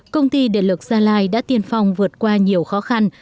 công ty điện lực gia lai đã tiên phong vượt qua nhiều khó khăn